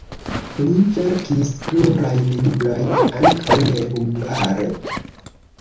Li verkis plurajn librojn, ankaŭ nehungare.